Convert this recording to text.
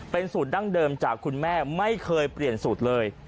เป็นสูตรดั้งเดิมจากคุณแม่ไม่เคยเปลี่ยนสูตรเลย